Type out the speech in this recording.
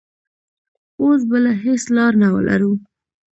اوس بله هېڅ لار نه لرو.